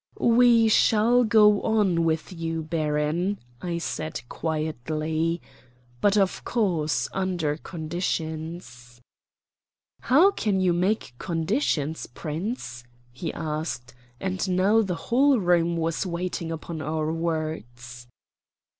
"We shall go on with you, baron," I said quietly; "but of course under conditions." "How can you make conditions, Prince?" he asked; and now the whole room was waiting upon our words.